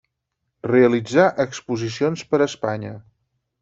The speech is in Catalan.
Realitzà exposicions per Espanya.